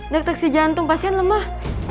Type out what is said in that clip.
deteksi jantung pasien lemah